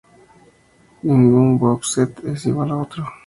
Ningún Box Set es igual a otro.